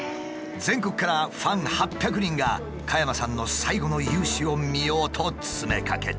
全国からファン８００人が加山さんの最後の雄姿を見ようと詰めかけた。